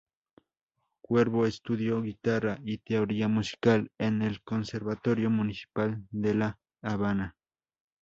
Cuervo estudió guitarra y teoría musical en el Conservatorio Municipal de La Habana.